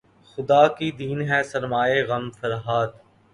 خدا کی دین ہے سرمایۂ غم فرہاد